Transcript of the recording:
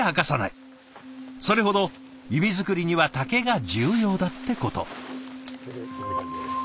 それほど弓作りには竹が重要だってこと。